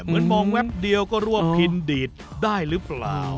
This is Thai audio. เหมือนมองแวปเดียวก็ร่วมพินดีดได้หรือเปล่า